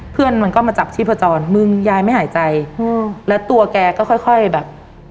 เพื่อนมันก็มาจับชีพจรมึงยายไม่หายใจอืมแล้วตัวแกก็ค่อยค่อยแบบ